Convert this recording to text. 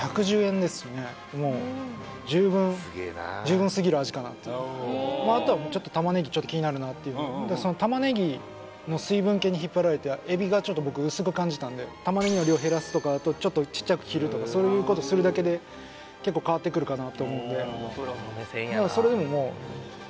もう十分十分すぎる味かなっていうのがあとはもうちょっと玉ネギ気になるなっていうその玉ネギの水分系に引っ張られてエビがちょっと僕薄く感じたんで玉ネギの量減らすとか小さく切るとかそういうことするだけで結構変わってくるかなと思うんでそれでももうそうですね